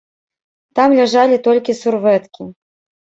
Там ляжалі толькі сурвэткі.